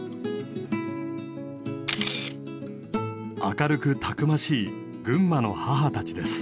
明るくたくましい群馬の母たちです。